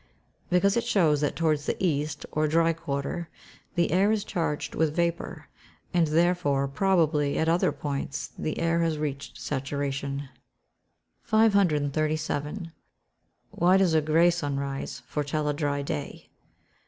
_ Because it shows that towards the East, or dry quarter, the air is charged with vapour, and therefore probably at other points the air has reached saturation. 537. _Why does a grey sunrise foretell a dry day?